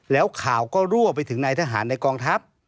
แล้วข่าวก็รั่วไปถึงนายทหารในกองทัพ